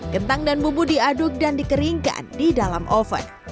kentang dan bumbu diaduk dan dikeringkan di dalam oven